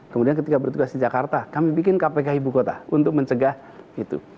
kemudian ketika bertugas di jakarta kami bikin kpk ibu kota untuk mencegah itu